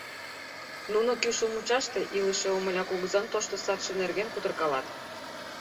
Нуно кӱшыл мучаште илыше Омыля кугызан тошто садше нерген кутыркалат.